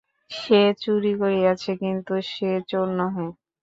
সে চুরি করিয়াছে কিন্তু সে চোর নহে।